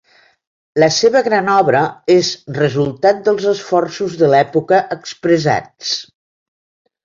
La seva gran obra és resultat dels esforços de l'època expressats.